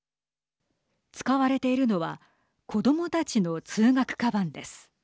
使われているのは子どもたちの通学かばんです。